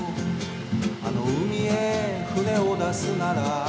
「あの海へ船を出すなら」